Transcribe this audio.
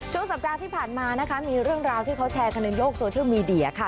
ช่วงสัปดาห์ที่ผ่านมานะคะมีเรื่องราวที่เขาแชร์กันในโลกโซเชียลมีเดียค่ะ